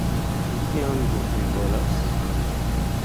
Kion do vi volas?